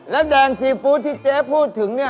แล้วแดงซีฟู้ดที่เจ๊พูดถึงเนี่ย